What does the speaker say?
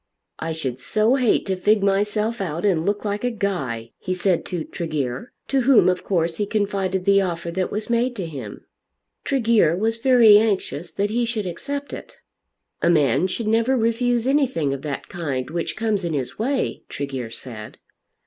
"I should so hate to fig myself out and look like a guy," he said to Tregear, to whom of course he confided the offer that was made to him. Tregear was very anxious that he should accept it. "A man should never refuse anything of that kind which comes in his way," Tregear said.